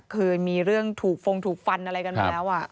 เคยมีเรื่องถูกฟงถูกฟันอะไรกันมาแล้ว